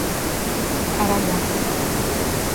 Aragarças